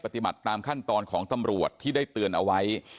ปฏิบัติตามขั้นตอนของตำรวจที่ได้เตือนเอาไว้